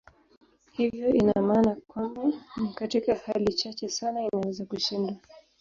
Hiyo ina maana kwamba ni katika hali chache sana inaweza kushindwa.